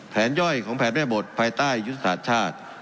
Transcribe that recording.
ย่อยของแผนแม่บทภายใต้ยุทธศาสตร์ชาติ